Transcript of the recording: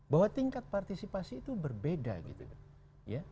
bahwa tingkat partisipasi itu berbeda gitu